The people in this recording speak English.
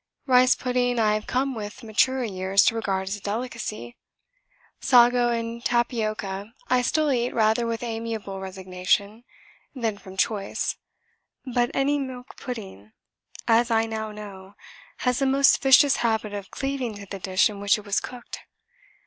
Rice pudding I have come with maturer years to regard as a delicacy. Sago and tapioca I still eat rather with amiable resignation than from choice. But any milk pudding, as I now know, has a most vicious habit of cleaving to the dish in which it was cooked.